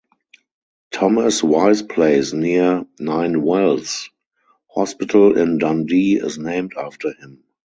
Thomas Wise Place near Ninewells Hospital in Dundee is named after him.